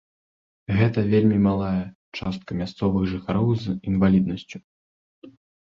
Гэта вельмі малая частка мясцовых жыхароў з інваліднасцю.